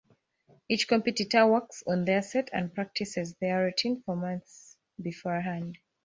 Each competitor works on their set and practices their routine for months beforehand.